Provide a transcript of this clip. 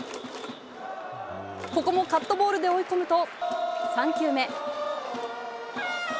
ここもカットボールで追い込むと、３球目。